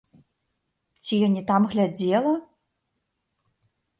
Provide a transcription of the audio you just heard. Ці я не там глядзела?